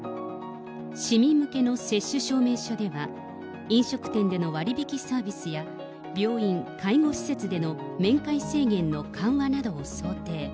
市民向けの接種証明書では、飲食店での割引サービスや、病院、介護施設での面会制限の緩和なども想定。